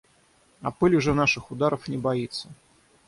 А пыль уже наших ударов не боится.